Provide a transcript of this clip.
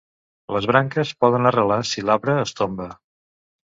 Les branques poden arrelar si l'arbre es tomba.